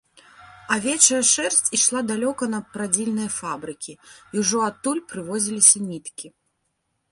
Авечая шэрсць ішла далёка на прадзільныя фабрыкі, і ўжо адтуль прывозіліся ніткі.